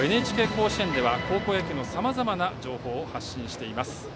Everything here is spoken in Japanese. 「ＮＨＫ甲子園」では高校野球のさまざまな情報を発信しています。